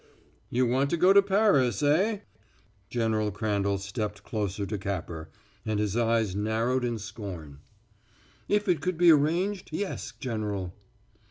"You want to go to Paris, eh?" General Crandall stepped closer to Capper, and his eyes narrowed in scorn. "If it could be arranged, yes, General."